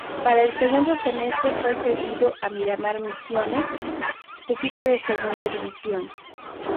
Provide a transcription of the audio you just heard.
Para el segundo semestre, fue cedido a Miramar Misiones, equipo de Segunda División.